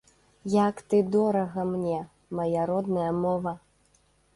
Як ты дорага мне, мая родная мова!